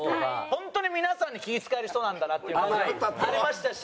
本当に皆さんに気ぃ使える人なんだなっていう感じがありましたし